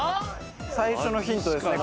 最初のヒントですね